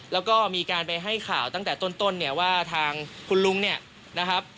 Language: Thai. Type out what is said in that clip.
แล้วก็มีการไปให้ข่าวตั้งแต่ต้นเนี่ยว่าทางคุณลุงเนี่ยนะครับ